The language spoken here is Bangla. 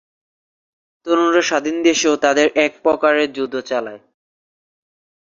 তরুণরা স্বাধীন দেশেও তাদের এক প্রকারের যুদ্ধ চালায়।